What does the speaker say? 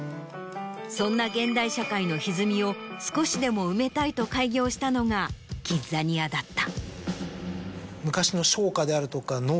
そんな現代社会のひずみを少しでも埋めたいと開業したのがキッザニアだった。